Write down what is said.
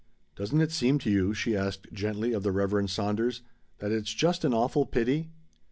"Doesn't it seem to you," she asked gently of the Reverend Saunders, "that it's just an awful pity?"